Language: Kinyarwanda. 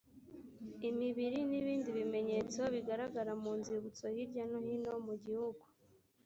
imibiri n ‘ibindi bimenyetso bigaragara mu nzibutso hirya no hino mu gihugu .